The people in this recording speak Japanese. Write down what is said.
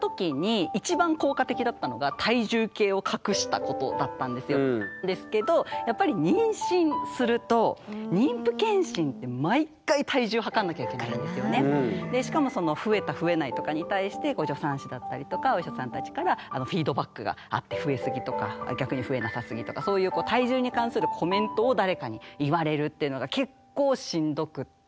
それを克服した時にですけどやっぱり妊娠するとしかもその増えた増えないとかに対して助産師だったりとかお医者さんたちからフィードバックがあって増えすぎとか逆に増えなさすぎとかそういう体重に関するコメントを誰かに言われるっていうのが結構しんどくって。